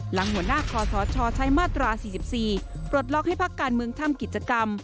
หลังหัวหน้าคอสชใช้มาตรา๔๔ปลดล็อกให้พักการเมืองทำกิจกรรม